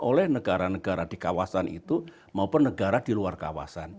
oleh negara negara di kawasan itu maupun negara di luar kawasan